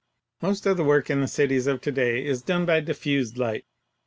Most of the work in the cities of to day is done by dif fused light.